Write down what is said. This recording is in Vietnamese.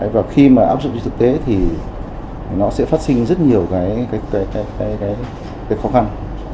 và khi mà áp dụng trên thực tế thì nó sẽ phát sinh rất nhiều cái khó khăn